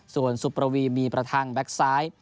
ส่วนสุประวีมีประทังแบ็คซ้าย